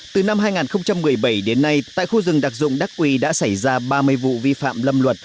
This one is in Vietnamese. từ năm hai nghìn một mươi bảy đến nay tại khu rừng đặc dụng đắc quy đã xảy ra ba mươi vụ vi phạm lâm luật